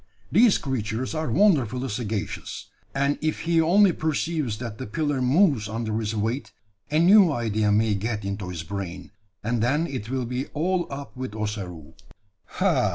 These creatures are wonderfully sagacious; and if he only perceives that the pillar moves under his weight, a new idea may get into his brain, and then it will be all up with Ossaroo." "Ha!